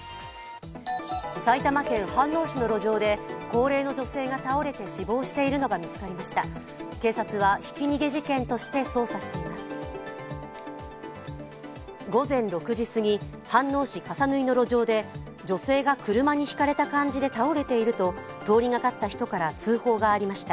埼玉県飯能市の路上で高齢の女性が倒れて死亡しているのが見つかりました。